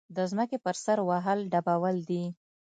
د ځمکې پر سر وهل ډبول دي.